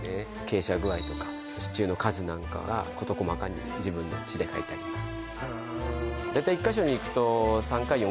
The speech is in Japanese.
傾斜具合とか支柱の数なんかが事細かに自分の字で書いてあります